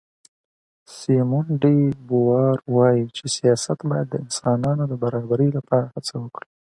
سیمون ډي بووار وایي چې سیاست باید د انسانانو د برابرۍ لپاره هڅه وکړي.